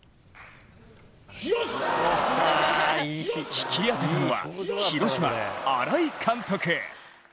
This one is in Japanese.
引き当てたのは、広島・新井監督。